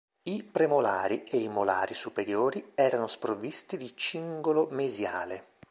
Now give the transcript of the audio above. I premolari e i molari superiori erano sprovvisti di cingolo mesiale.